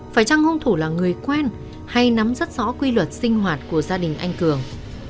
phải chăng hung thủ là người quen hay nắm rất rõ quy luật sinh hoạt của gia đình anh cường